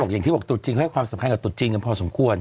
อย่างที่บอกตุ๊จีนให้ความสำคัญกับตุ๊จีนกันพอสมควร